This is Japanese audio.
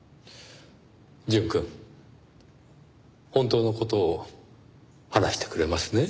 淳くん本当の事を話してくれますね？